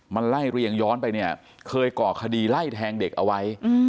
มันไล่เรียงย้อนไปเนี่ยเคยก่อคดีไล่แทงเด็กเอาไว้